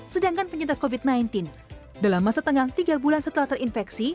sedangkan penyintas covid sembilan belas dalam masa tengah tiga bulan setelah terinfeksi